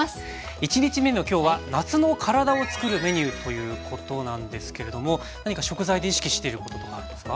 １日目の今日は「夏の体をつくるメニュー」ということなんですけれども何か食材で意識していることとかあるんですか？